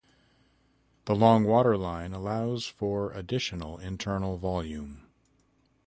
The long water line allows for additional internal volume.